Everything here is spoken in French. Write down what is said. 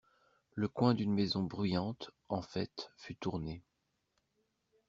Le coin d'une maison bruyante, en fête, fut tourné.